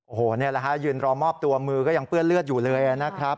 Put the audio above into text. โอ้โหนี่แหละฮะยืนรอมอบตัวมือก็ยังเปื้อนเลือดอยู่เลยนะครับ